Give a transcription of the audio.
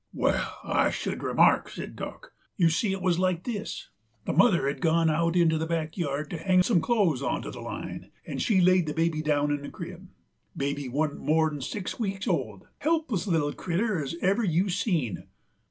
"Wall, I should remark," says Dock. "You see it wuz like this: the mother had gone out into the back yard to hang some clo'es onto the line, 'nd she laid the baby down in the crib. Baby wa'n't more 'n six weeks old, helpless little critter as ever you seen.